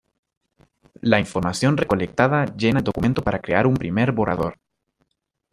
La información recolectada llena el documento para crear un primer borrador.